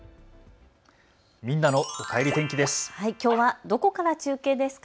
みんなのおかえり天気です。